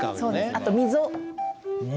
あと「溝」。